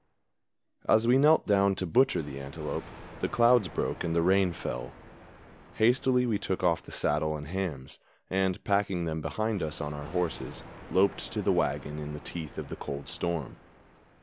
As we knelt down to butcher the antelope, the clouds broke and the rain fell. Hastily we took off the saddle and hams, and, packing them behind us on our horses, loped to the wagon in the teeth of the cold storm.